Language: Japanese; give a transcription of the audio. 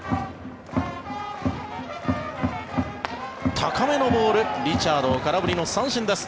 高めのボールリチャード、空振りの三振です。